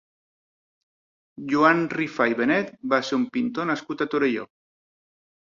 Joan Rifà i Benet va ser un pintor nascut a Torelló.